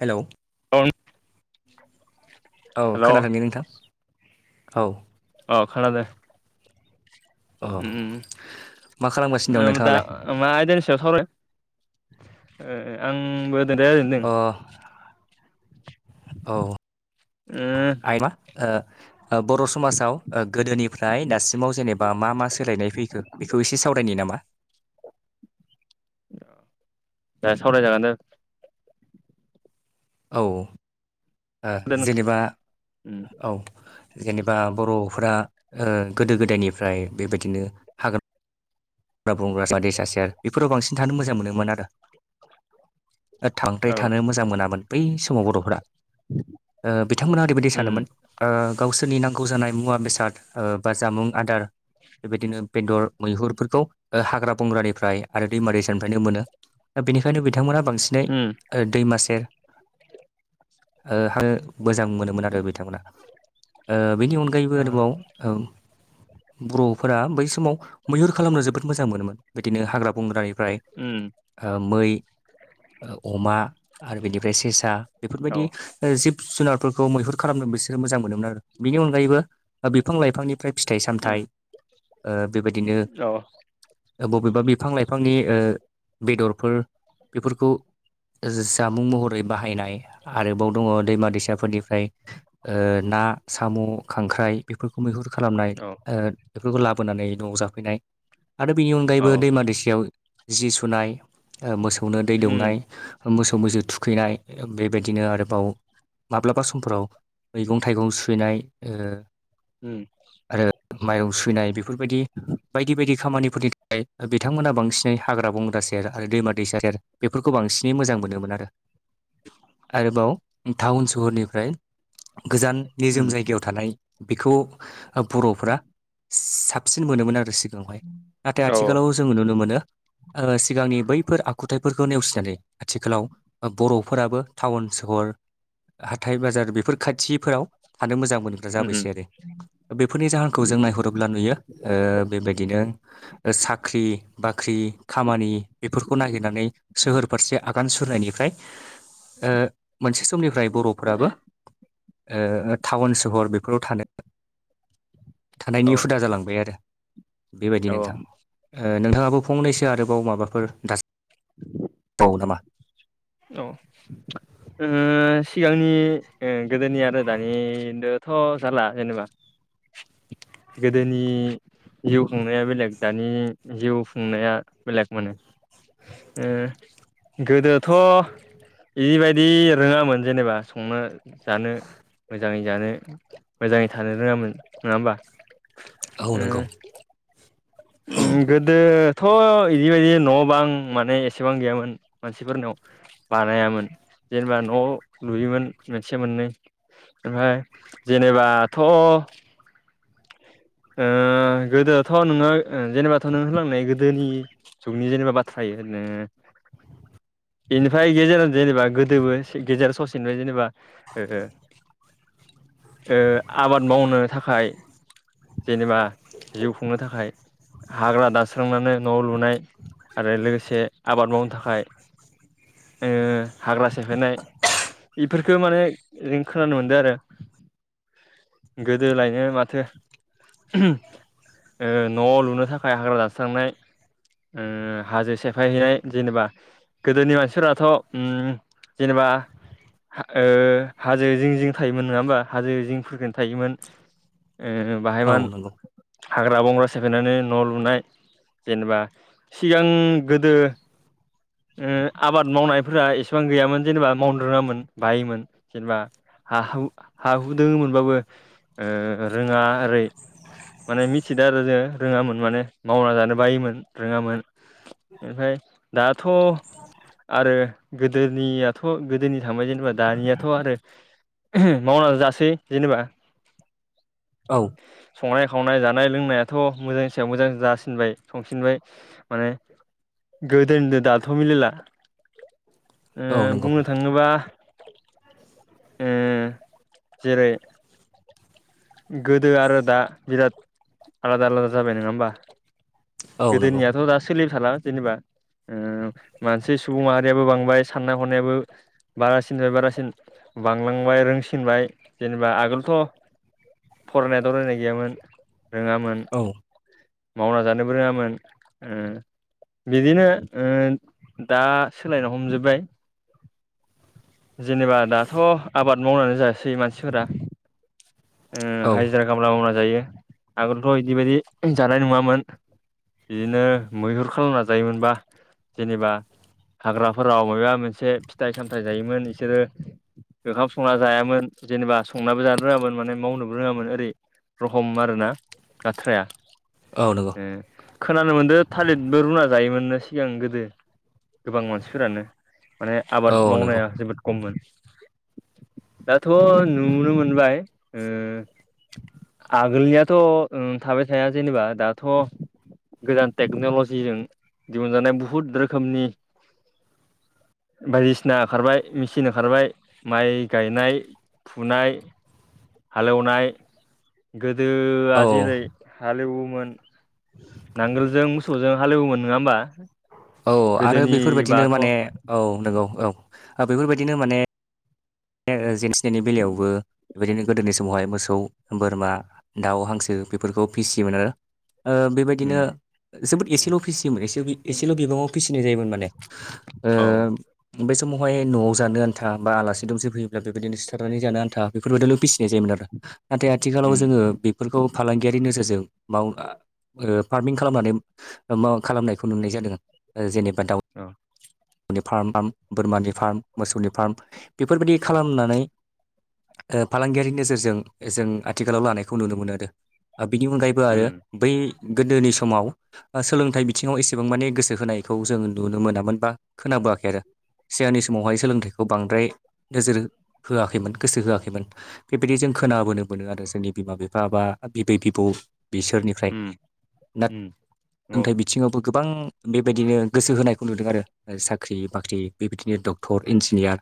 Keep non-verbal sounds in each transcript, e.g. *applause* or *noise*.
Hello औ औ hello खोनादोंनि नोंथां औ अ खोनादों अ मा खालामगासिनो दं ओम दा नोंथाङालाय *unintelligible* सायाव सावरायो आंबो दोनदोनदों अ औ ओ आ मा ओ बर' समाजाव गोदोनिफ्राय दासिमाव जेनेबा मा मा सोलायनाय फैखो बेखौ एसे सावरायनायनि नामा दे सावराय जागोन दे औ दे नोंथां जेनेबा उम औ जेनेबा बर'फोरा गोदो गोदायनिफ्राय बेबायदिनो हाग्रा *unintelligible* बेफोराव बांसिन थानो मोजां मोनोमोन आरो थांबाय औ थानो मोजां मोनामोन बै समाव बर'फोरा बिथांमोनहा ओरैबायदि सानोमोन उम गावसोरनि नांगौ जानाय मुवा बेसाद बा जामुं आदार बेबायदिनो बेदर मैहुरफोरखौ हाग्रा बंग्रानिफ्राय आरो दैमा दैसानिफ्रायनो मोनो दा बेनिखायनो बिथांमोना बांसिन उम दै दैमा सेर हो मोजां मोनोमोन आरो बिथांमोना बेनि अनगायैबो ओ आरोबाव बर'फोरा बै समाव मैहुर खालामनो जोबबोद मोजां मोनोमोन बिदिनो हाग्रा बंग्रानिफ्राय उम मै अमा आरो बेनिफ्राय सेसा औ बेफोरबायदि जिब जुनारफोरखौ मैहुर खालामदों बिसोरो मोजां मोनोमोन आरो बिनि अनगायैबो बिफां लाइफांनिफ्राय फिथाइ उम सामथाइ बेबायदिनो औ बबेबा बिफां लाइफांनि बेदरफोर बेफोरखौ जामुं महरै बाहायनाय आरोबाव दङ दैमा दैसाफोरनिफ्राय ना साम' खांख्राइ बेफोरखौ मैहुर खालामनाय औ बेफोरखौ लाबोनानै न'आव जाफैनाय आरो बेनि औ अनगायैबो दैमा दैसायाव जि सुनाय मोसौनो दै उम दौनाय मोसौ मैसो थुखैनाय बेबायदिनो आरोबाव माब्लाबा समफोराव मैगं थाइगं सुनाय उम आरो माइरं सुनाय बेफोरबायदि बायदि बायदि खामानिफोरनि थाखाय बिथांमोना बांसिनै हाग्रा बंग्रा सेर आरो दैमा दैसा सेर बेफोरखौ बांसिनै मोजां मोनोमोन आरो आरोबाव टाउन सहरनिफ्राय गोजान निजोम उम जायगायाव थानाय बेखौ बर'फ्रा साबसिन मोनोमोन आरो हाय नाथाय औ आथिखालाव जोंङो नुनो मोनो। सिगांनि बैफोर आखुथायफोरखौ नेवसिनानै आथिखालाव बर'फोराबो टाउन सहर हाथाय बाजार बेफोर खाथिफोराव थानो मोजां मोनो। उम जाबायसै आरो बेफोरनि जाहोनखौ जों नायहरोब्ला नुयो बेबायदिनो साख्रि बाख्रि खामानि बेफोरखौ नागिरनानै सोहोर फारसे आगान सुरनायनिफ्राय ओ मोनसे समनिफ्राय बर'फोराबो ओ टाउन सहर बेफोराव थानो थानायनि औ हुदा जालांबाय आरो। बेबायदि औ नोंथां ओ नोंथाङाबो फंनैसो आरोबाव माबाफोर दास औ नामा औ *inaudible* उम सिगांनि गोदोनि आरो दानिथ' जाला जेनेबा गोदोनि जिउ खुंनाया बेलेग दानि जिउ खुंनाया बेलेग माने। ए गोदोथ' बिबायदि रोङामोन जेनेबा संना जानो मोजाङै जानो मोजाङै थानो रोङामोन नङा होमबा औ ओ नंगौ गोदोथ' बिदिबायदि न' बां माने एसेबां गैयामोन। मानसिफोरनियाव बानायामोन जेनेबा न' लुयोमोन मोनसेया मोननै ओमफ्राय जेनेबाथ' ओ गोदोथ' नोङो जेनेबाथ' नों होलांनाय गोदोनि *unintelligible* बेनिफ्राय गेजेराव जेनेबा गोदोबो गेजेराव ससेनो जेनेबा गोदो ओ आबाद मावनो थाखाय जेनेबा जिउ खुंनो थाखाय हाग्रा दास्रांनानै न'आव लुनाय आरो लोगोसे आबाद मावनो थाखाय ओ हाग्रा सेफायनाय बेफोरखौ माने जों खोनानो मोनदों आरो। गोदोलायनो माथो न'आव लुनो थाखाय हाग्रा जास्रांनाय ओ हाजो सेफायहैनाय जेनेबा गोदोनि मानसिफोराथ' उम जेनेबा ओ हाजो जिं जिं थायोमोन नङा होमबा हाजो जिंखो थायोमोन। बाहाय औ मान नंगौ हाग्रा बंग्रा सेफायनानै न' लुनाय जेनेबा सिगां गोदो उम आबाद मावनायफोरा एसेबां गैयामोन जेनेबा मावद्रोङामोन बायोमोन। जेनेबा हा हु दंमोनबाबो ओ जोंहा आरो माने मिथिदों आरो जोङो रोङामोन माने मावना जानो बायोमोन रोङामोन ओमफफ्राय दाथ' आरो गोदोनियाथ' गोदोनि थांबाय जेनेबा दानियाथ' आरो मावनानै जासै जेनेबा औ संनाय खावनाय जानाय लोंनायाथ' मोजांनि सायाव मोजां जासिनबाय संफिनबाय माने गोदोनि दाथ' मिलला औ नंगौ बुंनो थाङो थाङोबा उम जेरै गोदो आरो दा बिराद आलादा आलादा जाबाय नङा होमबा? औ नंगौ गोदोनियाथ' दा सोलिबाय थाला जेनेबा मानसि सुबुं माहारियाबो बांबाय साननाय हनायाबो बारासिनफ्राय बारासिन बांलांबाय रोंसिनबाय जेनेबा ओ आगोलथ' फरायनाय दरायनाय गैयामोन रोङामोन। औ मावना जानोबो रोङामोन। बिदिनो दा सोलायनो हमजोब्बाय। जेनेबा दाथ' आबाद मावनानै जायासै मानसिफोरा औ हाजिरा खामला गामला जायो आगोलथ' बिदि बायदि जानाय नङामोन। बिदिनो मैहुर खालामना जायोमोनबा जेनेबा हाग्राफोराव मबेबा मोनसे फिथाइ सामथायाइ जायोमोन बिसोरो ओंखाम संना जायामोन जेनेबा संाबो जानो रोङामोन माने मावनोबो रोङामोन ओरै रखम आरोना आथ्राया औ नंगौ। ए खोनानो मोनदों थालिरबो रुना जायोमोननो सिगां गोदो गोबां मानसिफोरानो माने आबाद औ नंगौ मावनाया जोबोद खममोन। दाथ' नुनो मोनबाय। आगोलनियाथ' थाबाय थाया जेनेबा दाथ' गोजान टेक्नल'जिजों दिहुनजानाय बुहुद रोखोमनि बायदिसिना ओंखारबाय मेचिन ओंखारबाय माइ गायनाय। फुनाय हालेवनाय गोदोआ औ जेरै हालेवोमोन। नांगोलजों मोसौजों हालेवोमोन नङा होमबा? औ आरो बेफोरबायदिनो गोदोनिबाथ' माने औ नंगौ औ बेफोरबायदिनो माने जन्थिनायनि बेलायावबो बेबायदिनो गोदोनि समावहाय मोसौ बोरमा दाउ हांसो बेफोरखौ फिसियोमोन आरो। बेबायदिनो उम जोबोद एसेल' फिसियोमोन एसेल' बिबाङाव फिसिनाय जायोमोन मान औ बे समावहाय न'आव जानो आन्था बा आलासि दुमसे फैयोब्ला बेबायदिनो सिथारनानै जानो आन्था बेफोरबायदियावल' फिसिनाय जायोमोन आरो नाथाय आथिखालाव उम जोङो बे फोरखौ फालांगियारि नोजोरजों माव फार्मिं खालामनानै मा खालामनायखौ नुनाय जादों जेनेबा दाउ औ। मौनि फार्म बोरमानि फार्म मोसौनि फार्म बेफोरबायदि औ खालामनानै फालांगियारि नोजोरजों जों आथिखालाव लानायखौ नुनो मोनो आरो बिनि अनगायैबो आरो उम बै गोदोनि समाव सोलोंथाइ बिथिङाव एसेबां माने गोसो होनायखौ जों नुनो मोनामोन बा खोनाबोआखै आरो सिगांनि समावहाय सोलोंथाइखौ बांद्राय नोजोर होआखैमोन गोसो होआखैमोन। बेबायदि जों खोनाबोनो मोनो आरो जोंनि बिमा बिफा बा बिबै बिबौ बिसोरनि ओमफ्राय उम ना सोंथाइ बिथिङावबो गोबां बेबायदिनो गोसो होनायखौ नुदों आरो। साख्रि बाख्रि बेबायदिनो डक्टर इन्जिनियार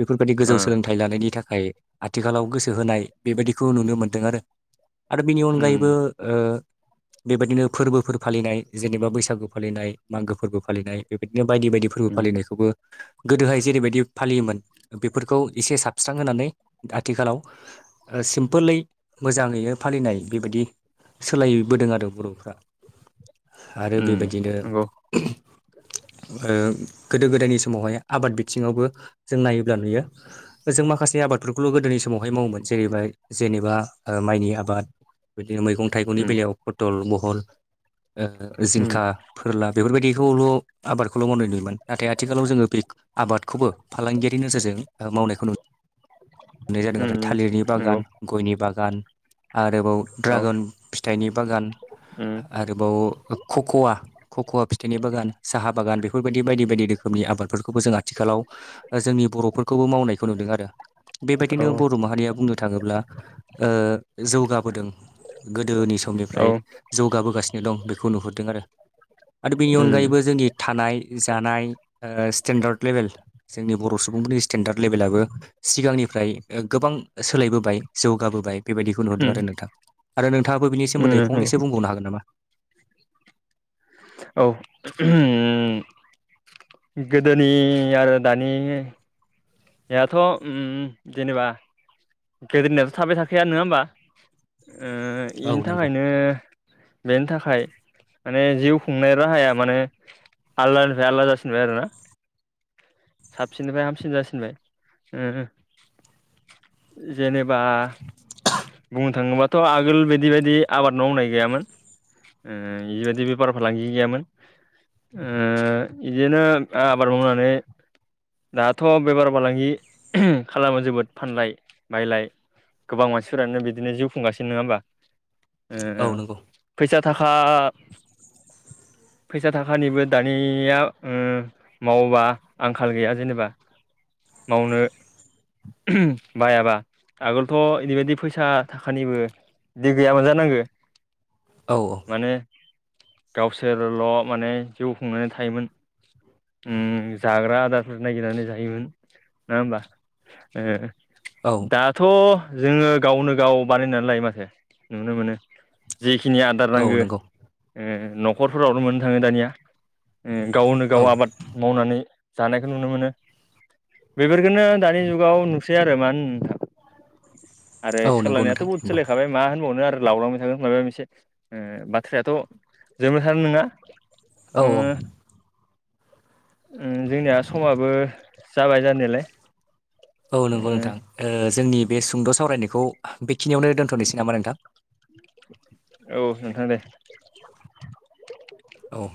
बेफोरबायदि गोजौ सोलोंथाइ फिथाय लानायनि थाखाय आथिखालाव गोसो होनाय बेबायदिखौ नुनो मोन्दों आरो। आरो बिनि अनगायैबो बेबायदिनो फोरबोफोर फालिनाय जेनेबा बैसागु फालिनाय मागो फोरबो फालिनाय बेबायदिनो बायदि बायदि फोरबो फालिनायखौबो गोदोहाय जेरैबायदि फालियोमोन बेफोरखौ एसे साबस्रां होनानै आथिखालाव सिम्पोलै मोजांङैनो फालिनाय बेबायदि सोलायबोदों आरो बर'फ्रा आरो उम बेबायदिनो नंगौ ओ गोदो गोदायनि समावहाय आबाद बिथिंङावबो जों नायोब्ला नुयो। जों माखासे आबादफोरखौल' गोदोनि समावहाय मावोमोन जेरैबाय जेनेबा माइनि आबाद बिदिनो मैगं थाइगंनि उम बेलायाव फथल बहल उम जिंखा फोरला बेफोरबायदिखौल' आबादखौल' मावनाय नुयोमोन नाथाय आथिखालाव जोंङो बे आबाद बे खौबो फालांगियारि नोजोरजों मावनायखौ नु मोननाय उम जादों नंगौ उम आरो उम थालिरनि बागान। नंगौ गयनि बागान आरोबाव औ ड्रागन फिथाइनि बागान उम आरोबाव खक'वा खक'वा फिथाइनि बागान। साहा बागान बेफोरबायदि बायदि बायदि रोखोमनि आबादफोरखौबो जों आथिखालाव जोंनि बर'फोरखौबो मावनायखौ नुदों आरो औ बेबायदिनो बर' माहारिया बुंनो थांङोब्ला जौगाबोदों गोदोनि औ समनिफ्राय जौगाबोगासिनो दं बेखौ नुहुरदों आरो आरो बेनि उम अनगायैबो जोंनि थानाय जानाय स्टेन्डार्ड लेभेल जोंनि बर' सुबुंफोरनि स्टेन्डार्द लेभेलाबो सिगांनिफ्राय गोबां सोलायबोबाय जौगाबोबाय बेबायदिखौ नुरदों उम आरो नोंथां आरो नोंथांङाबो उम बिनिोमोन्दै नंगौ फंनसो बुंबावनो हागोन नामा? औ गोदोनि आरो दानि जेनेबा गोदोनिथ' थाबाय थाखाया नंङा होमबा औ बेनि नंगौ थाखायनो बेनि थाखाय माने जिउ खुंनाय राहाया माने *unintelligible* *unintelligible* साबसिननिफ्राय हामसिन जासिनबाय जेनेबा बुंनो थांङोबाथ' आगोल बिदि बायदि आबाद मावनाय गैयामोन बेबायदि बेफार फालांगि गैयामोन ओ बिदिनो आबाद मावनानै दाथ' बेबार फालांगि खालामो जोबोद फानलाय बायलाय गोबां मानसिफोरानो बिदिनो जिउ खुंगासिनो नंङा औ होमबा नंगौ फैसा थाखा फैसा थाखानिबो दानिया मावोबा खाल गैया जेनेबा मावनो बायाबा आगोलथ' बिबायदि फैसा थाखानिबो दैे गैया मोजानांगो औ औ माने गावसोरल' माने जिउ खुंनानै थायोमोन जाग्रा आदारफोर नागिरनानै जायोमोन नंङा होमबा औ दाथ' जोंङो गावनो गाव बानायनानै लायो माथो नुनो मोनो जेखिनि आदार औ नांगौ नंगौ न'खरफोरावनो मोननो थांङो दानिया गावनो औ गाव आबाद मावनानै जानायखौ नुनो मोनो बेफोरखौनो दानि जुगाव नुसै आरो मानो होनो नोंथां आरो औ नंगौ सोलायनायाथ' नोंथां बहुद नंगौ सोलायखाबाय मा होनबावनो आरो लावलांबाय थागोन माबा मोनसे बाथ्रायाथ' *unintelligible* नंङा औ *unintelligible* *unintelligible* जोंनिया समाबो जाबाय जानायालाय औ नंगौ नोंथां जोंनि बे सुंद' सावरायनायखौ बेखिनियावनो दोनथ'नोसै नामा नोंथां औ नोंथां दे *inaudible* औ